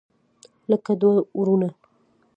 لکه دوه ورونه.